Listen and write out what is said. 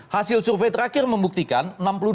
hasil survei terakhir membuktikan